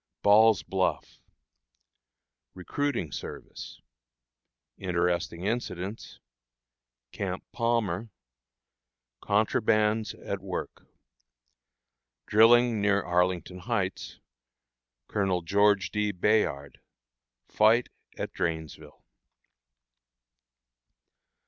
Ball's Bluff. Recruiting Service. Interesting Incidents. Camp Palmer. "Contrabands" at Work. Drilling near Arlington Heights. Colonel George D. Bayard. Fight at Drainesville.